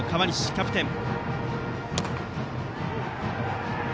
キャプテン。